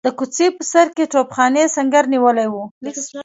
د کوڅې په سر کې توپخانې سنګر نیولی وو.